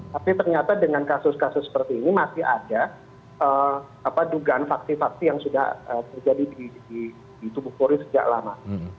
tapi ternyata dengan kasus kasus seperti ini masih ada dugaan faksi faksi yang sudah terjadi di tubuh polri sejak lama